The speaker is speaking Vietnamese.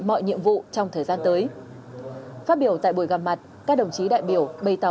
mọi nhiệm vụ trong thời gian tới phát biểu tại buổi gặp mặt các đồng chí đại biểu bày tỏ